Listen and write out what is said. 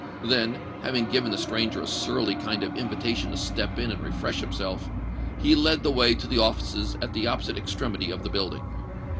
Then, having given the stranger a surly kind of invitation to step in and refresh himself, he led the way to the offices at the opposite extremity of the building.